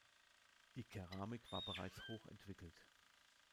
Die Keramik war bereits hoch entwickelt.